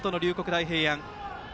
大平安。